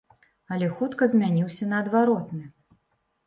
Але хутка змяніўся на адваротны.